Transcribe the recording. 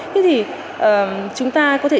thế thì chúng ta có thể